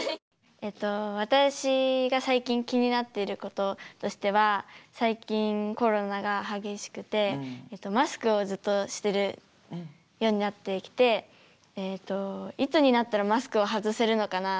私が最近気になっていることとしては最近コロナが激しくてマスクをずっとしてるようになってきていつになったらマスクを外せるのかなっていう。